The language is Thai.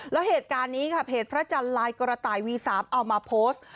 แล้วเหตุการณ์นี้ค่ะเพจพระจันทร์ลายกระต่ายวี๓เอามาโพสต์